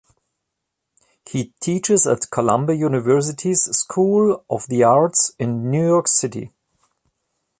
He teaches at Columbia University's School of the Arts in New York City.